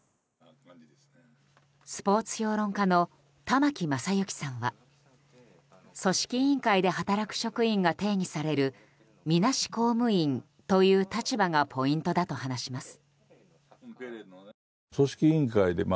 スポーツ評論家の玉木正之さんは組織委員会で働く職員が定義されるみなし公務員という立場がポイントだと話します。